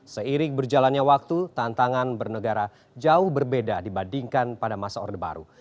seiring berjalannya waktu tantangan bernegara jauh berbeda dibandingkan pada masa orde baru